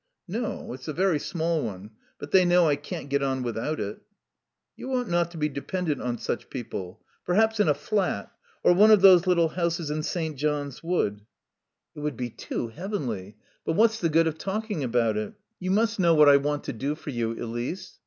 "No. It's a very small one. But they know I can't get on without it." "You ought not to be dependent on such people.... Perhaps in a flat or one of those little houses in St. John's Wood " "It would be too heavenly. But what's the good of talking about it?" "You must know what I want to do for you, Elise.